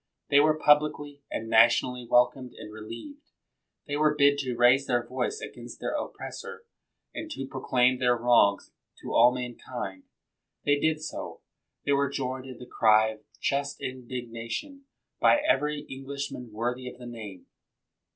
They were publicly and nationally welcomed and relieved. They were bid to raise their voice against their oppressor, and to proclaim their wrongs to all mankind. They did so. They were joined in the cry of just indignation by every Englishman worthy of the name.